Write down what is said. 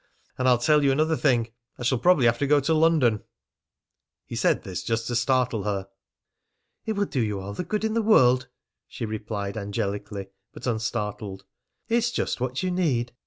And I'll tell you another thing, I shall probably have to go to London." He said this just to startle her. "It will do you all the good in the world," she replied angelically, but unstartled. "It's just what you need."